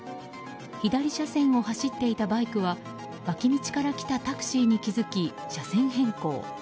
左車線を走っていたバイクは脇道から来たタクシーに気付き車線変更。